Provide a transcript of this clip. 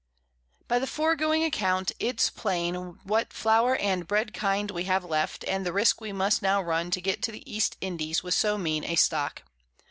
_By the foregoing Account it's plain what Flower and Bread kind we have left, and the risque we must now run to get to the_ East Indies, _with so mean a Stock.